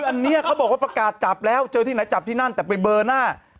อันนี้เขาบอกว่าประกาศจับแล้วเจอที่ไหนจับที่นั่นแต่ไปเบอร์หน้า